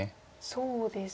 そうですね。